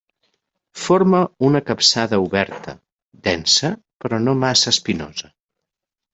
Forma una capçada oberta, densa però no massa espinosa.